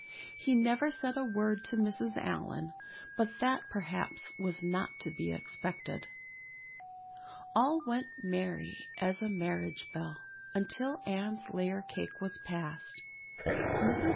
He never said a word to Mrs. Allan, but that perhaps was not to be expected. All went merry as a marriage bell until Anne's layer cake was passed. Mrs.